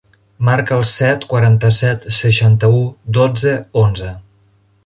Marca el set, quaranta-set, seixanta-u, dotze, onze.